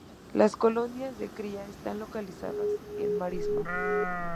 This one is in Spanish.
Las colonias de cría están localizadas en marismas.